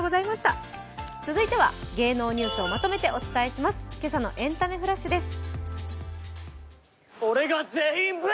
続いては芸能ニュースをまとめてお伝えします「けさのエンタメフラッシュ」です。